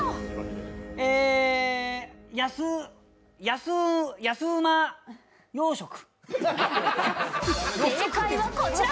安うま洋食。